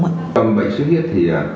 bệnh xuất huyết thì